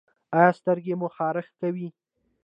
ایا سترګې مو خارښ کوي؟